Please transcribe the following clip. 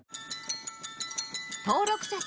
登録者数